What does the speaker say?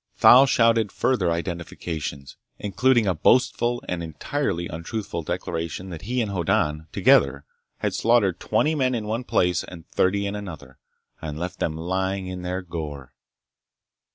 Thal shouted further identifications, including a boastful and entirely untruthful declaration that he and Hoddan, together, had slaughtered twenty men in one place and thirty in another, and left them lying in their gore.